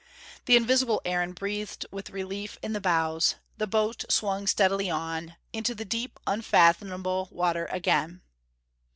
The invisible Aaron breathed with relief in the bows, the boat swung steadily on, into the deep, unfathomable water again.